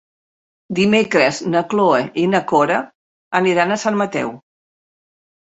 Dimecres na Cloè i na Cora aniran a Sant Mateu.